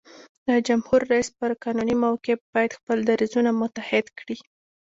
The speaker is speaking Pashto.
د جمهور رئیس پر قانوني موقف باید خپل دریځونه متحد کړي.